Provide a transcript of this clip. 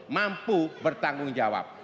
mampu bertanggung jawab